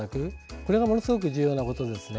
これがものすごく重要なことです。